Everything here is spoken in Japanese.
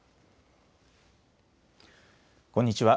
こんにちは。